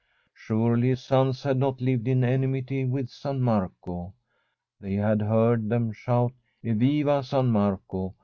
Surely his sons had not lived in enmity with San Marco. They had heard them shout, Eviva San Marco!